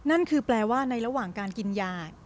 นั่นคือแปลว่าในระหว่างการกินยา